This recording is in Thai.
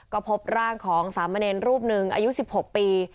ก็พบร่างของสามเณรรูปหนึ่งอายุ๑๖ปี